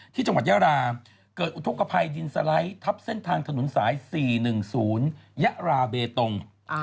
ที่จังหวัดยาราเกิดอุทธกภัยดินสไลด์ทับเส้นทางถนนสาย๔๑๐ยะราเบตง